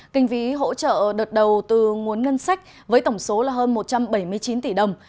kinh phí hỗ trợ đợt đầu từ nguồn ngân sách với tổng số hơn một trăm bảy mươi chín tỷ đồng